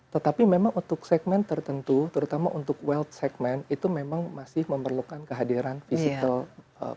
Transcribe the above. tetapi memang untuk segmen tertentu terutama untuk well segmen itu memang masih memerlukan kehadiran physical